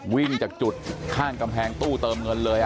วิ่งจากจุดข้างกำแพงตู้เติมเงินเลย